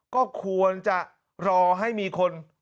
ก็ควรจะรอให้มีคน